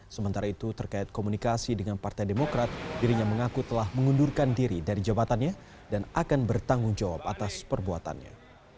sementara itu terkait komunikasi dengan partai demokrat dirinya mengaku telah mengundurkan diri dari jabatannya dan akan bertanggung jawab atas perbuatannya